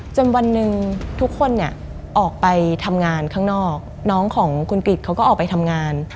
วันหนึ่งทุกคนเนี่ยออกไปทำงานข้างนอกน้องของคุณกริจเขาก็ออกไปทำงาน